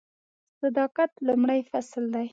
صداقت لومړی فصل دی .